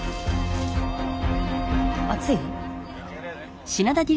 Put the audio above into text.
暑い？